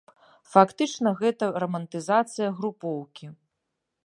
Фактычна гэта рамантызацыя групоўкі.